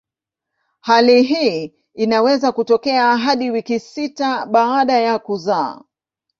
Hali hii inaweza kutokea hadi wiki sita baada ya kuzaa.